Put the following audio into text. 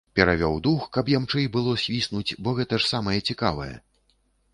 Перавёў дух, каб ямчэй было свіснуць, бо гэта ж самае цікавае.